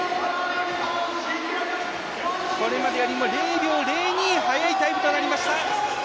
これまでよりも０秒０２早いタイムとなりました。